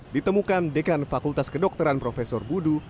ditemukan dekan fakultas kedokteran prof budu